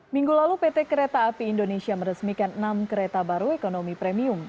minggu lalu pt kereta api indonesia meresmikan enam kereta baru ekonomi premium